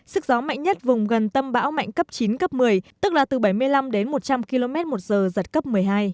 sức gió mạnh nhất vùng gần tâm bão mạnh cấp chín cấp một mươi tức là từ bảy mươi năm đến một trăm linh km một giờ giật cấp một mươi hai